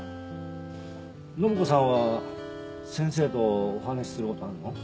信子さんは先生とお話しする事あるの？